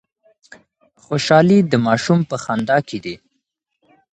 خوشحالي د ماشوم په خندا کي ده.